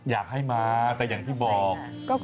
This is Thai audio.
อยากให้มาแต่อย่างที่บอก